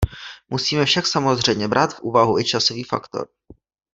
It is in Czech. Musíme však samozřejmě brát v úvahu i časový faktor.